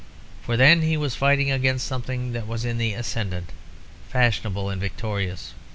For then he was fighting against something that was in the ascendant, fashionable, and victorious.